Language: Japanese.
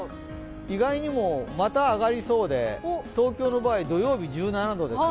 意外にも、また上がりそうで東京の場合、土曜日１７度ですよ。